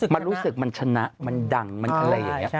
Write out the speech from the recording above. มันรู้สึกมันชนะมันดังมันอะไรอย่างนี้